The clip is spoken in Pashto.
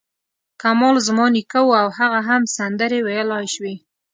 کمال زما نیکه و او هغه هم سندرې ویلای شوې.